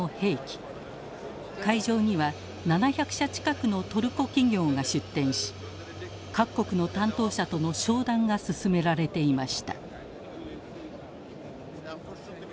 会場には７００社近くのトルコ企業が出展し各国の担当者との商談が進められていました。